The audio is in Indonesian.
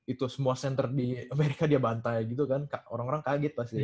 itu semua center di amerika dia bantai gitu kan orang orang kaget pasti